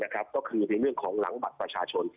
ก็คือในเรื่องของหลังบัตรประชาชน